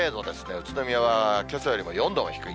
宇都宮はけさよりも４度も低い。